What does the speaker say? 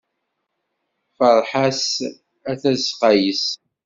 Ferḥ-as a tazeqqa yes-s.